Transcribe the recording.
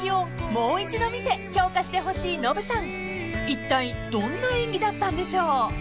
［いったいどんな演技だったんでしょう］